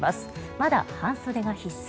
まだ半袖が必須。